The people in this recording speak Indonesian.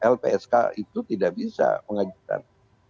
lpsk itu tidak bisa mengajukan